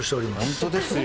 本当ですよ。